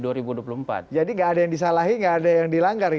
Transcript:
jadi tidak ada yang disalahi tidak ada yang dilanggar